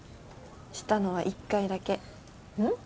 シたのは１回だけうん？